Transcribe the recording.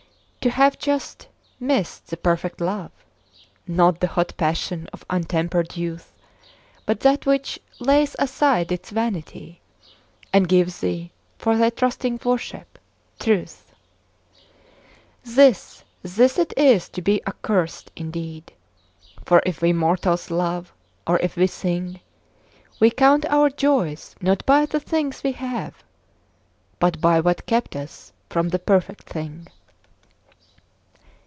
To have just missed the perfect love, Not the hot passion of untempered youth, But that which lays aside its vanity And gives thee, for thy trusting worship, truth— This, this it is to be accursed indeed; For if we mortals love, or if we sing, We count our joys not by the things we have, But by what kept us from the perfect thing.